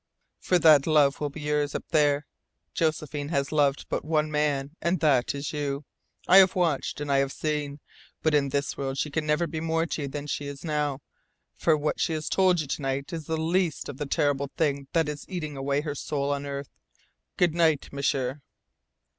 For that love will be yours, up there. Josephine has loved but one man, and that is you. I have watched and I have seen. But in this world she can never be more to you than she is now, for what she told you to night is the least of the terrible thing that is eating away her soul on earth. Good night, M'sieur!"